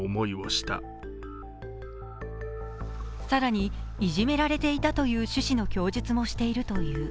更にいじめられていたという趣旨の供述もしているという。